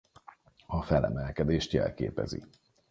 A felemelkedést jelképezi.